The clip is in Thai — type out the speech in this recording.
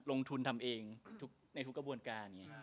ลงทุนทำเองในทุกกระบวนการ